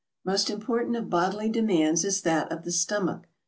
Most important of boidily demands is that of the stom ach.